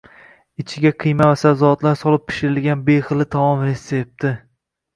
Ichiga qiyma va sabzavotlar solib pishiriladigan behili taom retsepti